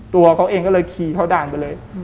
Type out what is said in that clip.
ตัวเขาเองก็เลยขี่เข้าด่านไปเลย